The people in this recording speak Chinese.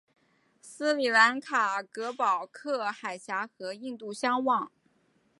斯里兰卡隔保克海峡和印度相望。